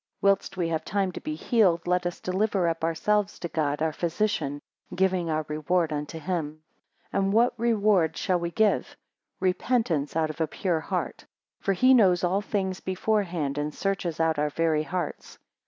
Whilst we have time to be healed, let us deliver up ourselves to God our physician, giving our reward unto him. 4 And what reward shall we give? Repentance out of a pure heart. For he knows all things beforehand, and searches out our very hearts.